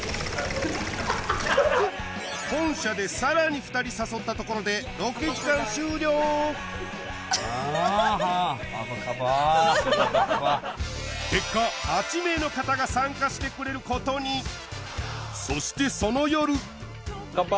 本社でさらに２人誘ったところでロケ時間終了あはアバカバ結果８名の方が参加してくれることにそしてその夜乾杯！